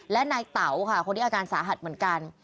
และนายเต๋าค่ะคนที่อาการสาหัสเหมือนกัน